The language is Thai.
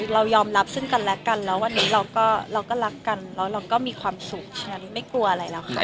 เรายอมรับซึ่งกันและกันแล้ววันนี้เราก็รักกันแล้วเราก็มีความสุขฉะนั้นไม่กลัวอะไรแล้วค่ะ